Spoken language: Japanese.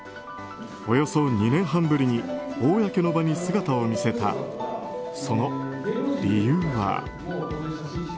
およそ２年半ぶりに公の場に姿を見せたその理由は。